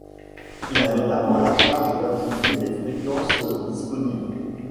Il a notamment la charge d'attribuer les fréquences disponibles.